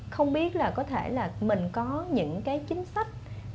không biết là có thể là mình có những cái chính sách